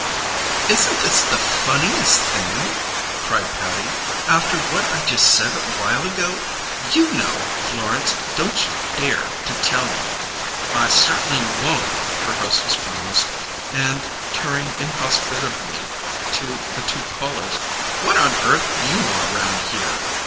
"Isn't this the funniest thing?" cried Patty. "After what I just said awhile ago you know, Florence. Don't you dare to tell 'em!" "I cert'nly won't!" her hostess promised, and, turning inhospitably to the two callers, "What on earth you want around here?"